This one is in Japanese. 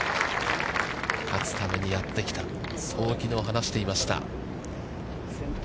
勝つためにやってきた、そうきのう話していました。